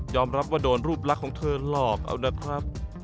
รับว่าโดนรูปลักษณ์ของเธอหลอกเอานะครับ